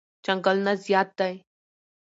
چنگلونه زیاد دی